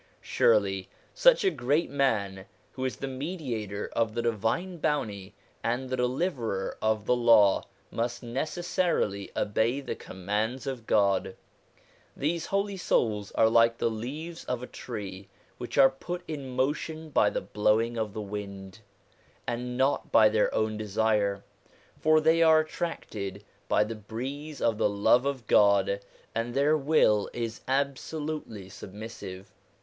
Surely such a great man, who is the mediator of the Divine Bounty and the deliverer of the Law, must necessarily obey the commands of God. These Holy Souls are like the leaves of a tree, which are put in motion by the blowing of the wind, and not by their own desire ; for they are attracted by the breeze of the love of God, and their will is absolutely submissive.